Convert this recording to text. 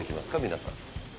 皆さん。